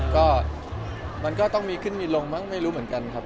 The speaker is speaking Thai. ก็มันก็ต้องมีขึ้นมีลงมั้งไม่รู้เหมือนกันครับ